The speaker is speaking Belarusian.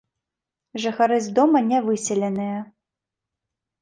Жыхары з дома не выселеныя.